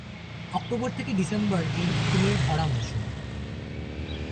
October থেকে December এর ফুলের ভরা মৌসুম।